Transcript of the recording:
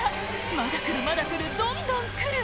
まだ来るまだ来るどんどん来る